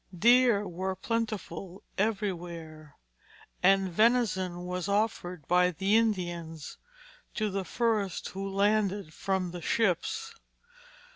Deer were plentiful everywhere, and venison was offered by the Indians to the first who landed from the ships.